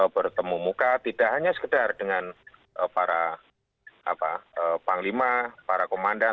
bertemu muka tidak hanya sekedar dengan para panglima para komandan